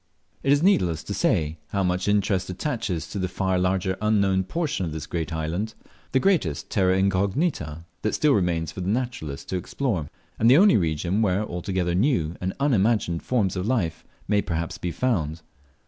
It is needless to say how much interest attaches to the far larger unknown portion of this great island, the greatest terra incognita that still remains for the naturalist to explore, and the only region where altogether new and unimagined forms of life may perhaps be found.